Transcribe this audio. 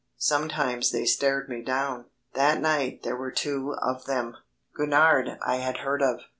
Sometimes they stared me down. That night there were two of them. Gurnard I had heard of.